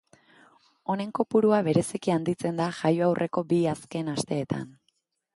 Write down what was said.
Honen kopurua bereziki handitzen da jaio aurreko bi azken asteetan.